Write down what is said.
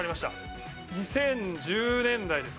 ２０１０年代ですかね。